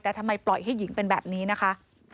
แต่ทำไมปล่อยให้หญิงเป็นแบบนี้นะคะ